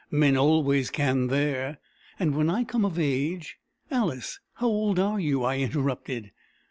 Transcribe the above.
Men always can there. And when I come of age " "Alice, how old are you?" I interrupted.